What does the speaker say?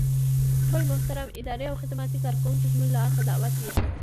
ټول محترم اداري او خدماتي کارکوونکي زمونږ له اړخه دعوت يئ.